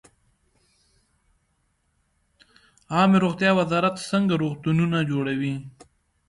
عامې روغتیا وزارت څنګه روغتونونه جوړوي؟